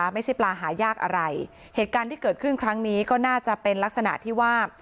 ไม่ใช่ปลาหายากอะไรเหตุการณ์ที่เกิดขึ้นครั้งนี้ก็น่าจะเป็นลักษณะที่ว่า